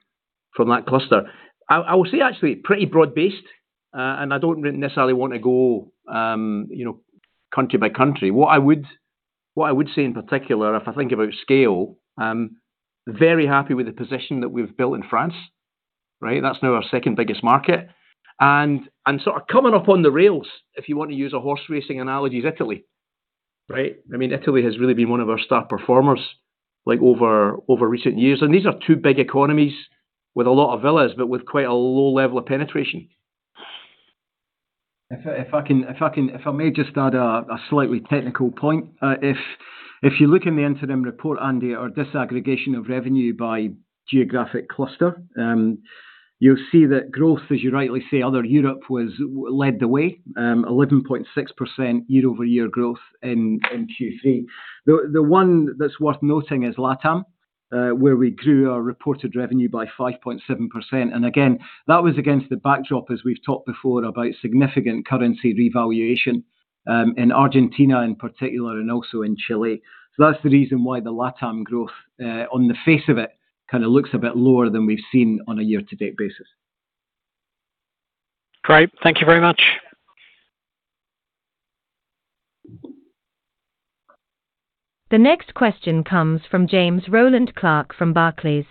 from that cluster. I will say, actually, pretty broad-based, and I don't necessarily want to go country by country. What I would say in particular, if I think about scale, very happy with the position that we've built in France, right? That's now our second biggest market. Sort of coming up on the rails, if you want to use a horse racing analogy, is Italy, right? I mean, Italy has really been one of our star performers over recent years. These are two big economies with a lot of villas, but with quite a low level of penetration. If I may just add a slightly technical point. If you look in the interim report, Andy, our disaggregation of revenue by geographic cluster, you'll see that growth, as you rightly say, other Europe led the way, 11.6% year-over-year growth in Q3. The one that's worth noting is LATAM, where we grew our reported revenue by 5.7%. Again, that was against the backdrop, as we've talked before, about significant currency revaluation in Argentina in particular and also in Chile. That's the reason why the LATAM growth, on the face of it, kind of looks a bit lower than we've seen on a year-to-date basis. Great. Thank you very much. The next question comes from James Rowland Clark from Barclays.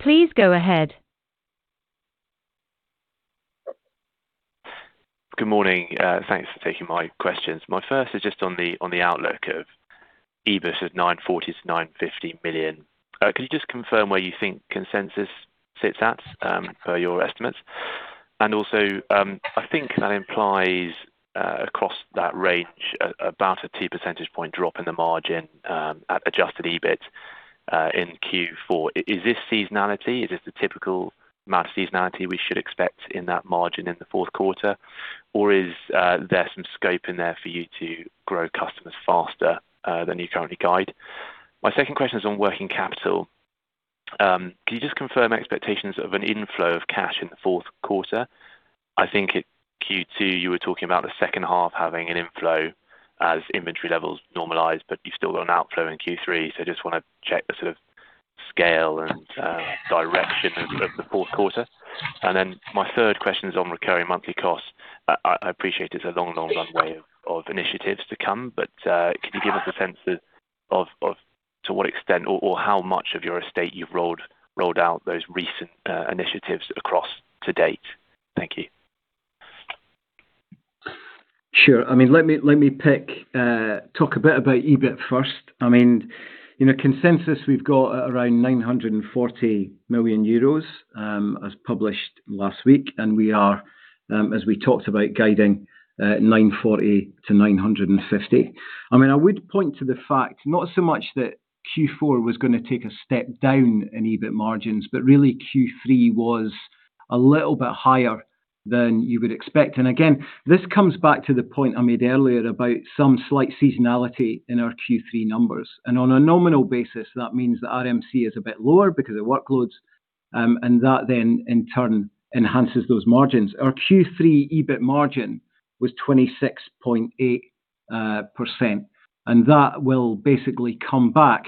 Please go ahead. Good morning. Thanks for taking my questions. My first is just on the outlook of EBIT of 940 million-950 million. Could you just confirm where you think consensus sits at for your estimates? Also, I think that implies across that range about a 2 percentage point drop in the margin at adjusted EBIT in Q4. Is this seasonality? Is this the typical amount of seasonality we should expect in that margin in the fourth quarter? Or is there some scope in there for you to grow customers faster than you currently guide? My second question is on working capital. Could you just confirm expectations of an inflow of cash in the fourth quarter? I think at Q2, you were talking about the second half having an inflow as inventory levels normalize, but you have still got an outflow in Q3. I just want to check the sort of scale and direction of the fourth quarter. My third question is on recurring monthly costs. I appreciate it's a long, long runway of initiatives to come, but could you give us a sense of to what extent or how much of your estate you've rolled out those recent initiatives across to date? Thank you. Sure. I mean, let me talk a bit about EBIT first. I mean, consensus we've got around 940 million euros as published last week, and we are, as we talked about, guiding 940-950 million. I mean, I would point to the fact, not so much that Q4 was going to take a step down in EBIT margins, but really Q3 was a little bit higher than you would expect. I mean, this comes back to the point I made earlier about some slight seasonality in our Q3 numbers. On a nominal basis, that means that RMC is a bit lower because of workloads, and that then, in turn, enhances those margins. Our Q3 EBIT margin was 26.8%. That will basically come back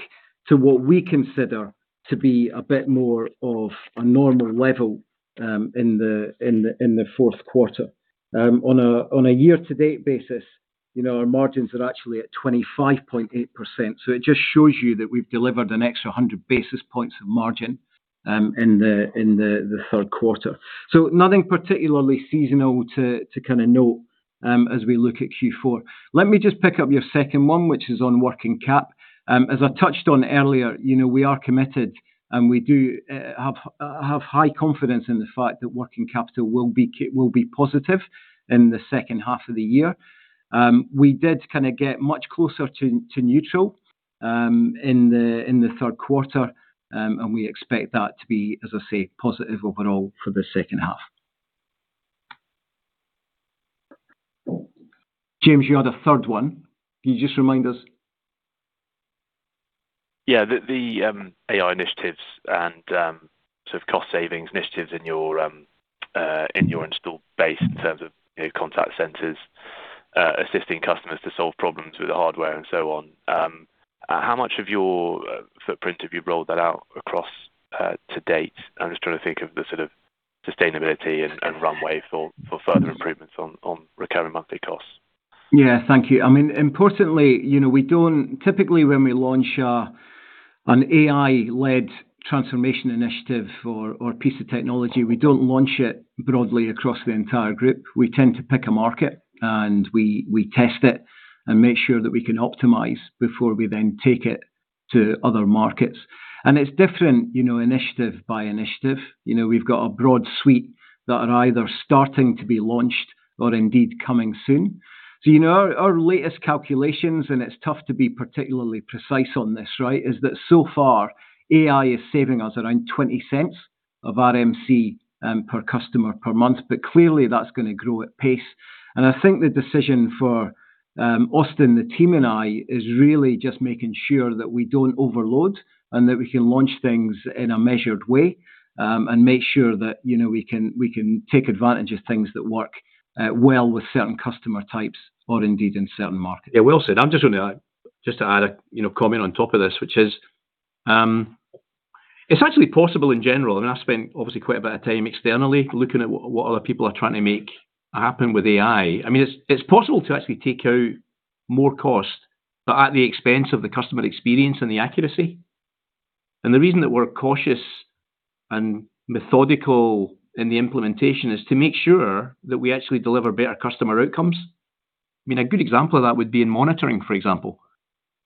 to what we consider to be a bit more of a normal level in the fourth quarter. On a year-to-date basis, our margins are actually at 25.8%. It just shows you that we've delivered an extra 100 basis points of margin in the third quarter. Nothing particularly seasonal to kind of note as we look at Q4. Let me just pick up your second one, which is on working cap. As I touched on earlier, we are committed, and we do have high confidence in the fact that working capital will be positive in the second half of the year. We did kind of get much closer to neutral in the third quarter, and we expect that to be, as I say, positive overall for the second half. James, you had a third one. Can you just remind us? Yeah, the AI initiatives and sort of cost savings initiatives in your installed base in terms of contact centers, assisting customers to solve problems with the hardware and so on. How much of your footprint have you rolled that out across to date? I'm just trying to think of the sort of sustainability and runway for further improvements on recurring monthly costs. Yeah, thank you. I mean, importantly, typically when we launch an AI-led transformation initiative or piece of technology, we do not launch it broadly across the entire group. We tend to pick a market, and we test it and make sure that we can optimize before we then take it to other markets. It is different initiative by initiative. We have got a broad suite that are either starting to be launched or indeed coming soon. Our latest calculations, and it is tough to be particularly precise on this, right, is that so far, AI is saving us around 0.20 of RMC per customer per month, but clearly that is going to grow at pace. I think the decision for Austin, the team and I, is really just making sure that we do not overload and that we can launch things in a measured way and make sure that we can take advantage of things that work well with certain customer types or indeed in certain markets. Yeah, well said. I'm just going to add a comment on top of this, which is it's actually possible in general. I mean, I spent obviously quite a bit of time externally looking at what other people are trying to make happen with AI. I mean, it's possible to actually take out more cost, but at the expense of the customer experience and the accuracy. The reason that we're cautious and methodical in the implementation is to make sure that we actually deliver better customer outcomes. I mean, a good example of that would be in monitoring, for example.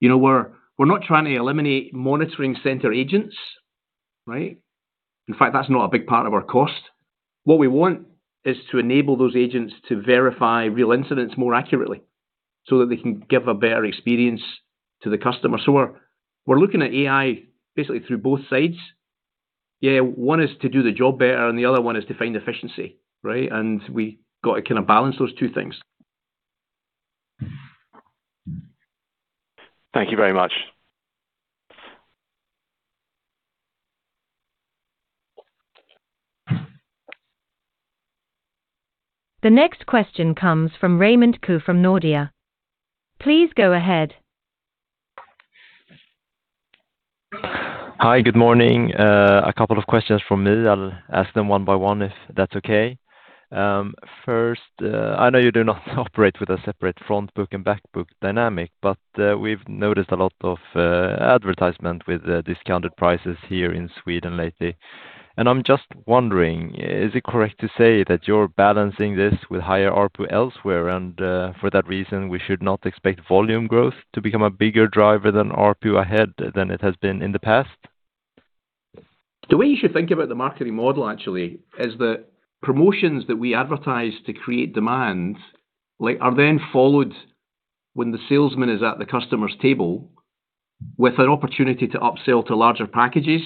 We're not trying to eliminate monitoring center agents, right? In fact, that's not a big part of our cost. What we want is to enable those agents to verify real incidents more accurately so that they can give a better experience to the customer. We are looking at AI basically through both sides. Yeah, one is to do the job better, and the other one is to find efficiency, right? We have got to kind of balance those two things. Thank you very much. The next question comes from Raymond Ke from Nordea. Please go ahead. Hi, good morning. A couple of questions from me. I'll ask them one by one if that's okay. First, I know you do not operate with a separate front book and back book dynamic, but we've noticed a lot of advertisement with discounted prices here in Sweden lately. I'm just wondering, is it correct to say that you're balancing this with higher ARPU elsewhere? For that reason, we should not expect volume growth to become a bigger driver than ARPU ahead than it has been in the past? The way you should think about the marketing model, actually, is that promotions that we advertise to create demand are then followed when the salesman is at the customer's table with an opportunity to upsell to larger packages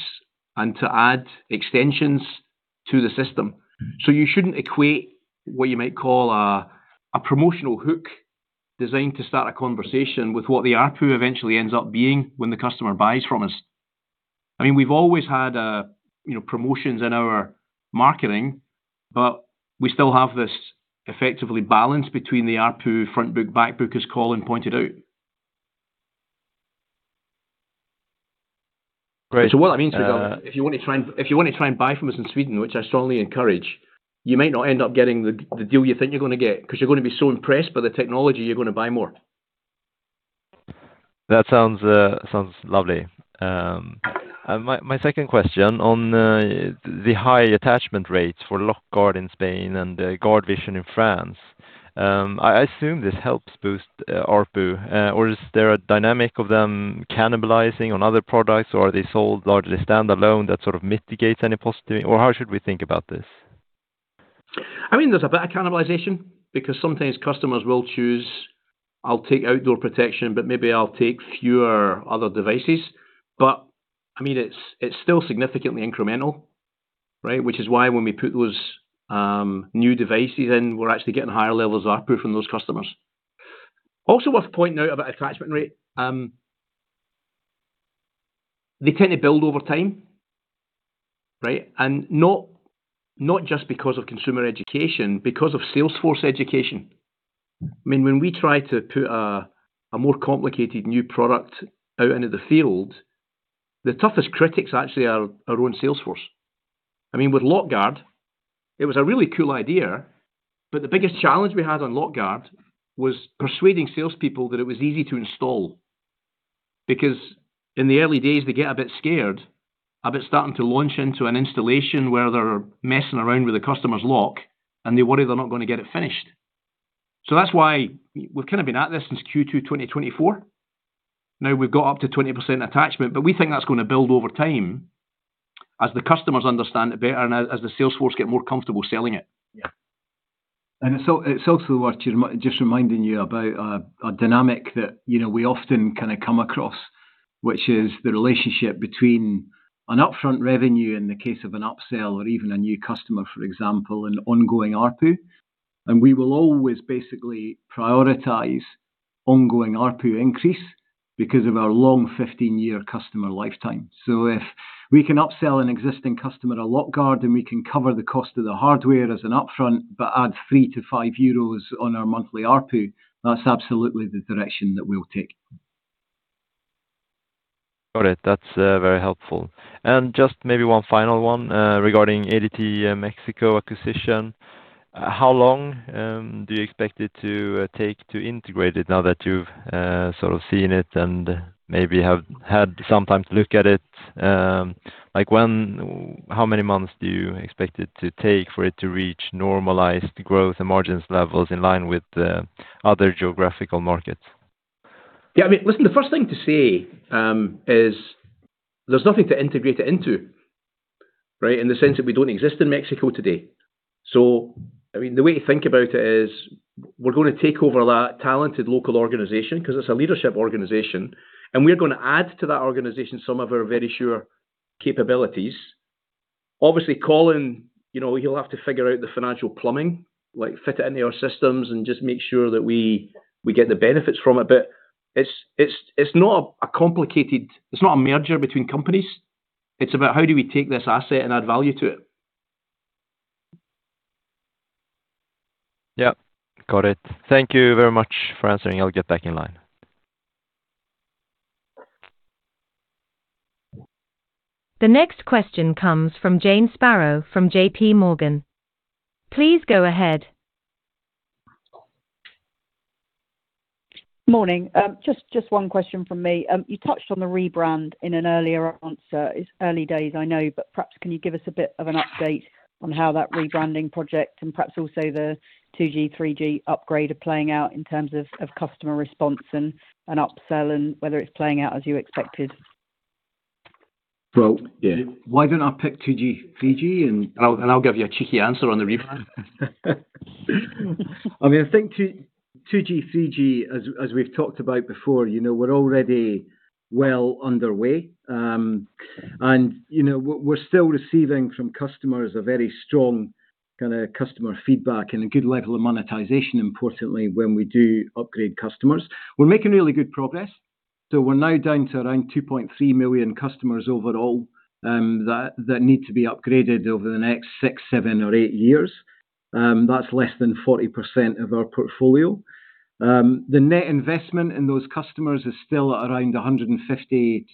and to add extensions to the system. You shouldn't equate what you might call a promotional hook designed to start a conversation with what the ARPU eventually ends up being when the customer buys from us. I mean, we've always had promotions in our marketing, but we still have this effectively balance between the ARPU front book, back book as Colin pointed out. Right. What that means is if you want to try and buy from us in Sweden, which I strongly encourage, you might not end up getting the deal you think you're going to get because you're going to be so impressed by the technology, you're going to buy more. That sounds lovely. My second question on the high attachment rates for Lockguard in Spain and GuardVision in France. I assume this helps boost RPU. Or is there a dynamic of them cannibalizing on other products, or are they sold largely standalone that sort of mitigates any positivity? Or how should we think about this? I mean, there's a better cannibalization because sometimes customers will choose, "I'll take outdoor protection, but maybe I'll take fewer other devices." I mean, it's still significantly incremental, right? Which is why when we put those new devices in, we're actually getting higher levels of ARPU from those customers. Also worth pointing out about attachment rate, they tend to build over time, right? Not just because of consumer education, because of Salesforce education. I mean, when we try to put a more complicated new product out into the field, the toughest critics actually are our own Salesforce. I mean, with Lockguard, it was a really cool idea, but the biggest challenge we had on Lockguard was persuading salespeople that it was easy to install. Because in the early days, they get a bit scared of it starting to launch into an installation where they're messing around with the customer's lock, and they worry they're not going to get it finished. That is why we've kind of been at this since Q2 2024. Now we've got up to 20% attachment, but we think that's going to build over time as the customers understand it better and as the Salesforce get more comfortable selling it. Yeah. It is also worth just reminding you about a dynamic that we often kind of come across, which is the relationship between an upfront revenue in the case of an upsell or even a new customer, for example, and ongoing ARPU. We will always basically prioritize ongoing ARPU increase because of our long 15-year customer lifetime. If we can upsell an existing customer to Lockguard and we can cover the cost of the hardware as an upfront, but add 3-5 euros on our monthly ARPU, that is absolutely the direction that we will take. Got it. That's very helpful. Just maybe one final one regarding ADT Mexico acquisition. How long do you expect it to take to integrate it now that you've sort of seen it and maybe have had some time to look at it? How many months do you expect it to take for it to reach normalized growth and margins levels in line with other geographical markets? Yeah, I mean, listen, the first thing to say is there's nothing to integrate it into, right, in the sense that we don't exist in Mexico today. I mean, the way to think about it is we're going to take over that talented local organization because it's a leadership organization, and we're going to add to that organization some of our Verisure capabilities. Obviously, Colin, he'll have to figure out the financial plumbing, like fit it into our systems and just make sure that we get the benefits from it. It's not complicated, it's not a merger between companies. It's about how do we take this asset and add value to it. Yeah. Got it. Thank you very much for answering. I'll get back in line. The next question comes from Jane Sparrow from JP Morgan. Please go ahead. Morning. Just one question from me. You touched on the rebrand in an earlier answer. It's early days, I know, but perhaps can you give us a bit of an update on how that rebranding project and perhaps also the 2G, 3G upgrade are playing out in terms of customer response and upsell and whether it's playing out as you expected? Yeah. Why don't I pick 2G, 3G, and I'll give you a cheeky answer on the rebrand. I mean, I think 2G, 3G, as we've talked about before, we're already well underway. We're still receiving from customers a very strong kind of customer feedback and a good level of monetization, importantly, when we do upgrade customers. We're making really good progress. We're now down to around 2.3 million customers overall that need to be upgraded over the next six, seven, or eight years. That's less than 40% of our portfolio. The net investment in those customers is still at around 150-200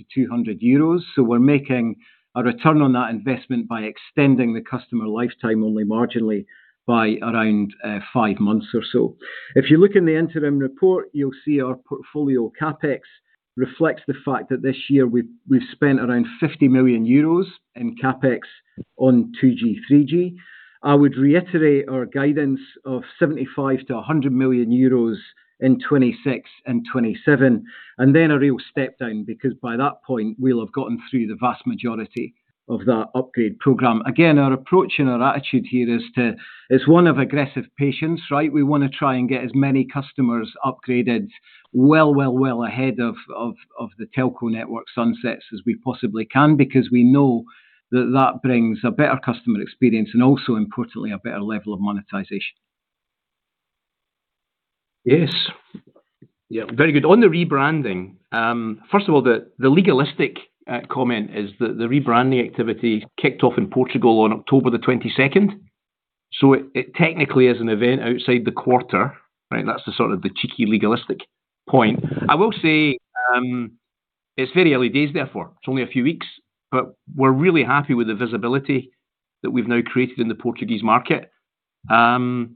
euros. We're making a return on that investment by extending the customer lifetime only marginally by around five months or so. If you look in the interim report, you'll see our portfolio CapEx reflects the fact that this year we've spent around 50 million euros in CapEx on 2G, 3G. I would reiterate our guidance of 75 million-100 million euros in 2026 and 2027, and then a real step down because by that point, we'll have gotten through the vast majority of that upgrade program. Again, our approach and our attitude here is one of aggressive patience, right? We want to try and get as many customers upgraded well, well, well ahead of the telco network sunsets as we possibly can because we know that that brings a better customer experience and also, importantly, a better level of monetization. Yes. Yeah, very good. On the rebranding, first of all, the legalistic comment is that the rebranding activity kicked off in Portugal on October the 22nd. It technically is an event outside the quarter, right? That's the sort of the cheeky legalistic point. I will say it's very early days, therefore. It's only a few weeks, but we're really happy with the visibility that we've now created in the Portuguese market. Strong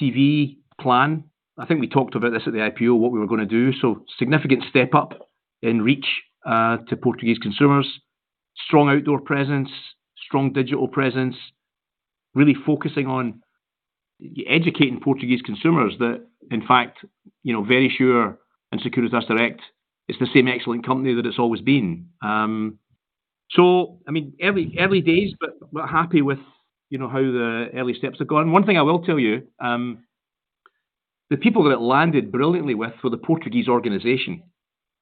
TV plan. I think we talked about this at the IPO, what we were going to do. Significant step up in reach to Portuguese consumers. Strong outdoor presence, strong digital presence, really focusing on educating Portuguese consumers that, in fact, Verisure and Securitas Direct, it's the same excellent company that it's always been. I mean, early days, but happy with how the early steps have gone. One thing I will tell you, the people that it landed brilliantly with for the Portuguese organization,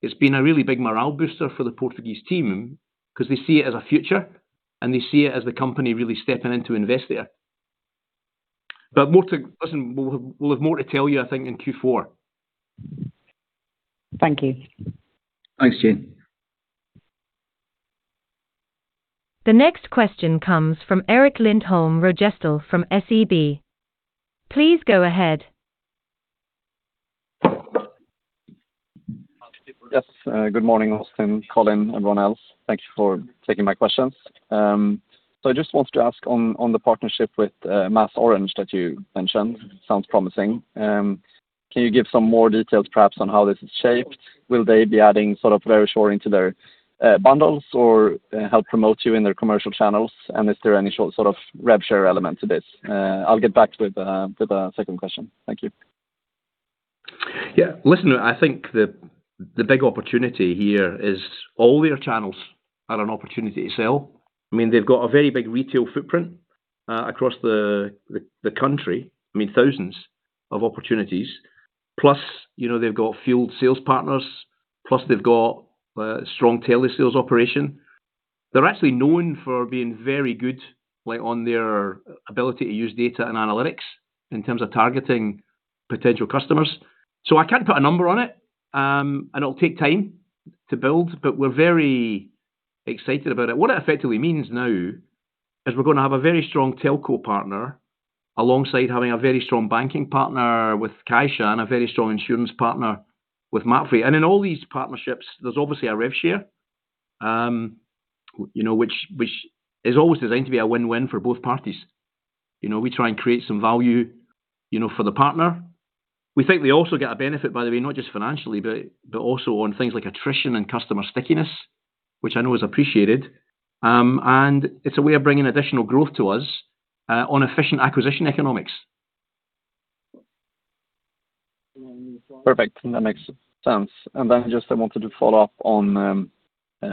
it's been a really big morale booster for the Portuguese team because they see it as a future and they see it as the company really stepping in to invest there. Listen, we'll have more to tell you, I think, in Q4. Thank you. Thanks, Jane. The next question comes from Erik Lindholm-Röjestål from SEB. Please go ahead. Yes. Good morning, Austin, Colin, everyone else. Thank you for taking my questions. I just wanted to ask on the partnership with MasOrange that you mentioned, sounds promising. Can you give some more details perhaps on how this is shaped? Will they be adding sort of Verisure into their bundles or help promote you in their commercial channels? Is there any sort of rev share element to this? I'll get back with a second question. Thank you. Yeah. Listen, I think the big opportunity here is all their channels are an opportunity to sell. I mean, they've got a very big retail footprint across the country. I mean, thousands of opportunities. Plus, they've got fueled sales partners. Plus, they've got a strong telesales operation. They're actually known for being very good on their ability to use data and analytics in terms of targeting potential customers. I can't put a number on it, and it'll take time to build, but we're very excited about it. What it effectively means now is we're going to have a very strong telco partner alongside having a very strong banking partner with CaixaBank and a very strong insurance partner with Mapfre. In all these partnerships, there's obviously a rev share, which is always designed to be a win-win for both parties. We try and create some value for the partner. We think they also get a benefit, by the way, not just financially, but also on things like attrition and customer stickiness, which I know is appreciated. It is a way of bringing additional growth to us on efficient acquisition economics. Perfect. That makes sense. I wanted to follow up on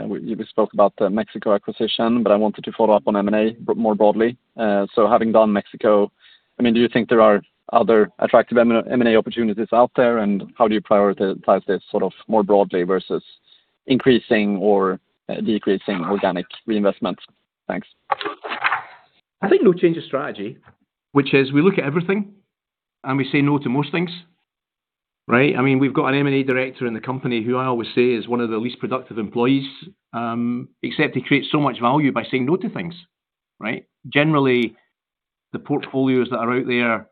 we spoke about the Mexico acquisition, but I wanted to follow up on M&A more broadly. Having done Mexico, I mean, do you think there are other attractive M&A opportunities out there? How do you prioritize this sort of more broadly versus increasing or decreasing organic reinvestments? Thanks. I think no change of strategy, which is we look at everything and we say no to most things, right? I mean, we've got an M&A director in the company who I always say is one of the least productive employees, except he creates so much value by saying no to things, right? Generally, the portfolios that are out there,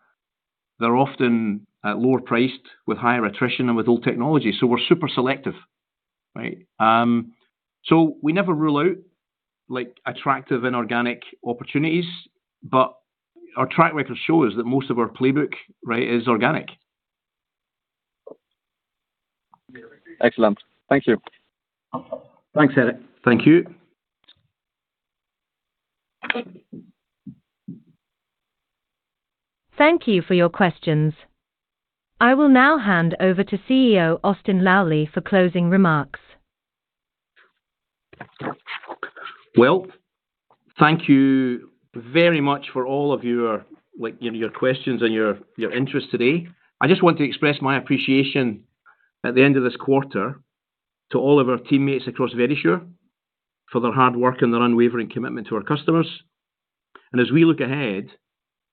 they're often lower priced with higher attrition and with old technology. We are super selective, right? We never rule out attractive inorganic opportunities, but our track record shows that most of our playbook, right, is organic. Excellent. Thank you. Thanks, Eric. Thank you. Thank you for your questions. I will now hand over to CEO Austin Lally for closing remarks. Thank you very much for all of your questions and your interest today. I just want to express my appreciation at the end of this quarter to all of our teammates across Verisure for their hard work and their unwavering commitment to our customers. As we look ahead,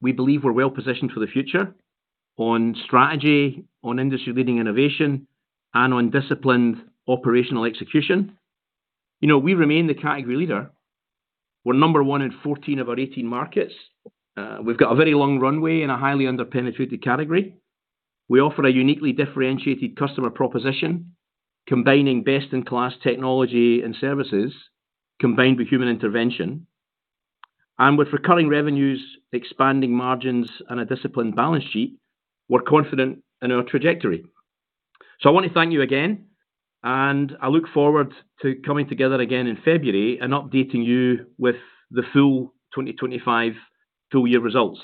we believe we're well positioned for the future on strategy, on industry-leading innovation, and on disciplined operational execution. We remain the category leader. We're number one in 14 of our 18 markets. We've got a very long runway in a highly underpenetrated category. We offer a uniquely differentiated customer proposition, combining best-in-class technology and services combined with human intervention. With recurring revenues, expanding margins, and a disciplined balance sheet, we're confident in our trajectory. I want to thank you again, and I look forward to coming together again in February and updating you with the full 2025 full year results.